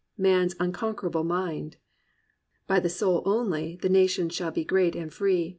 "Man's unconquer able mind." "By the soul only, the Nations shall be great and free."